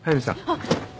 あっ。